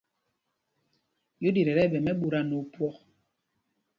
Yúɗit ɛ́ tí ɛɓɛ mɛ́ɓuta nɛ opwɔk.